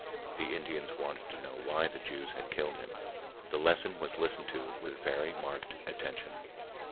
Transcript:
The Indians wanted to know why the Jews had killed him. The lesson was listened to with very marked attention.